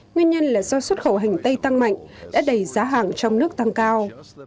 nguyên nhân là do xuất khẩu hành tây tăng mạnh đã đẩy giá hàng trong nước tăng cao